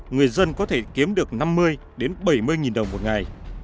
người dân có thể kiếm được năm mươi bảy mươi nghìn đồng một ngày